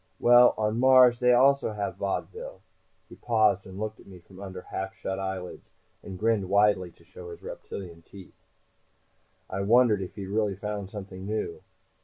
Well, on Mars they have also vaudeville!" He paused, and looked at me from under half shut eyelids, and grinned widely to show his reptilian teeth. I wondered if he'd really found something new.